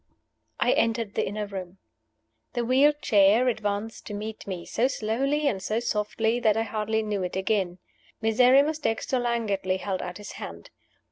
I entered the inner room. The wheeled chair advanced to meet me, so slowly and so softly that I hardly knew it again. Miserrimus Dexter languidly held out his hand.